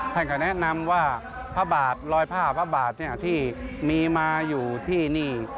ท่านก็แนะนำว่าพระบาทรอยผ้าพระบาทที่มีมาอยู่ที่นี่